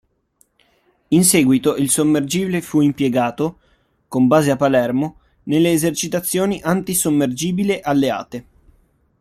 In seguito il sommergibile fu impiegato, con base a Palermo, nelle esercitazioni antisommergibile alleate.